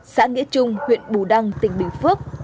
xã nghĩa trung huyện bù đăng tỉnh bình phước